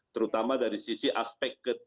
terutama dari sisi aspek